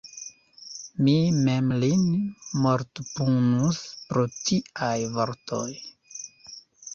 Mi mem lin mortpunus pro tiaj vortoj!